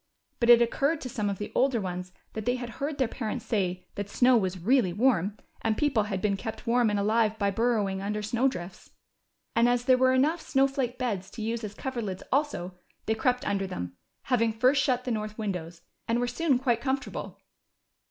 But it occurred to some of the older ones that they had heard their parents say that snow was really warm, and people had been kept warm and alive by burrowing under snow drifts. And as there were enough snow flake beds to use for 272 THE CHILDREN'S WONDER BOOK. coverlids also, they crept under them, having first shut the north windows, and were soon quite comfort able.